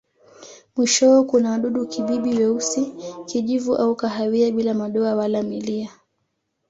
Mwishowe kuna wadudu-kibibi weusi, kijivu au kahawia bila madoa wala milia.